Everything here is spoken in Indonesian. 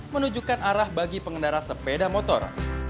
menunjukkan arah bagi pengendara sepeda motor